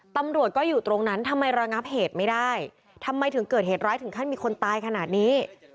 ตำรวจก็อยู่ตรงนั้นทำไมระงับเหตุไม่ได้ทำไมถึงเกิดเหตุร้ายถึงขั้นมีคนตายขนาดนี้